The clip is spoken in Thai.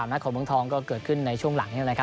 ๓นัดของเมืองทองก็เกิดขึ้นในช่วงหลังนี้นะครับ